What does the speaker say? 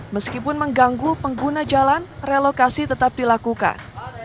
meskipun mengganggu pengguna jalan relokasi tetap dilakukan